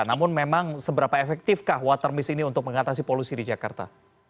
namun memang seberapa efektifkah water miss ini untuk mengatasi polusi di jakarta